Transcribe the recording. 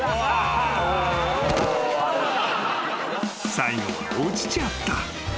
［最後は落ちちゃった］